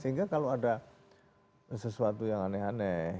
sehingga kalau ada sesuatu yang aneh aneh